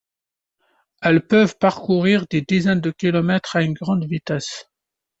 Elles peuvent parcourir des dizaines de kilomètres à une grande vitesse.